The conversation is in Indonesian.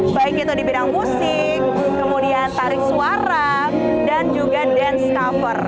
baik itu di bidang musik kemudian tarik suara dan juga dance cover